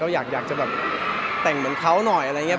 แล้วอยากจะแบบเขาหน่อย